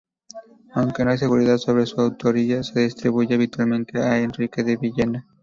Aunque no hay seguridad sobre su autoría, se atribuye habitualmente a Enrique de Villena.